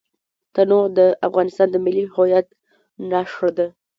تنوع د افغانستان د ملي هویت نښه ده.